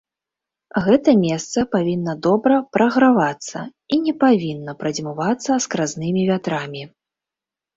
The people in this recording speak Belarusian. Гэта месца павінна добра прагравацца і не павінна прадзьмувацца скразнымі вятрамі.